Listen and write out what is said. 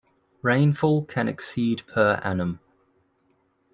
Rainfall can exceed per annum.